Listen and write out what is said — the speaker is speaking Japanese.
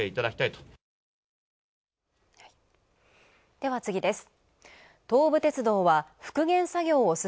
では、次です。